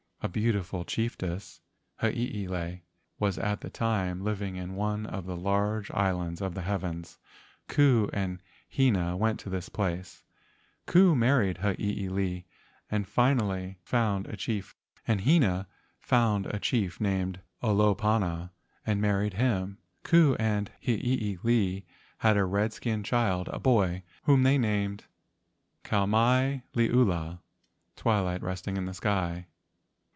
A beautiful chiefess, Hiilei, was at that time living in one of the large islands of the heavens. Ku and Hina went to this place. Ku married Hiilei, and Hina found a chief named Olopana and married him. Ku and Hiilei had a red¬ skin child, a boy, whom they named Kau mai liula (twilight resting in the sky).